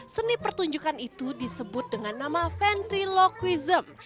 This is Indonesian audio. seni pertunjukan itu disebut dengan nama ventriloquism